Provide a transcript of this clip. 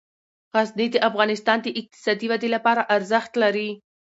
غزني د افغانستان د اقتصادي ودې لپاره ارزښت لري.